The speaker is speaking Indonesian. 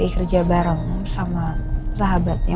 kerja bareng sama sahabatnya